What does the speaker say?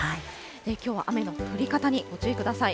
きょうは雨の降り方にご注意ください。